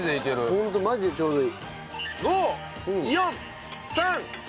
ホントマジでちょうどいい。